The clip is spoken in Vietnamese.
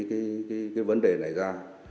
cái vấn đề này ra